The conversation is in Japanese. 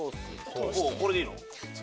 これでいいの？